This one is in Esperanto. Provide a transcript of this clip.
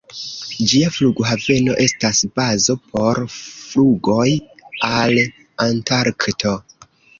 Ĝia flughaveno estas bazo por flugoj al Antarkto.